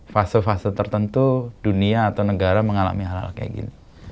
fase fase tertentu dunia atau negara mengalami hal hal kayak gini